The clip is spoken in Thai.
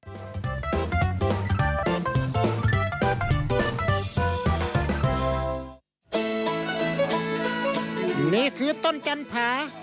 อยู่ในนี้คือต้นจันทร์ผา